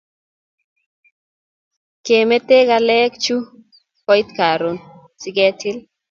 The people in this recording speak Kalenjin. Kemete kaleng chu koit akoi karon si ke til